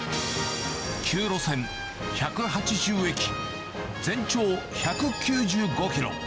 ９路線１８０駅、全長１９５キロ。